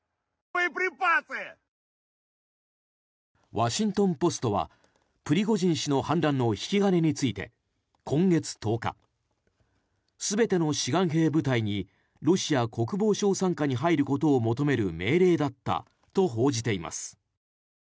ワシントン・ポストはプリゴジン氏の反乱の引き金について今月１０日全ての志願兵部隊にロシア国防省傘下に入ることを求める命令だったと報じています。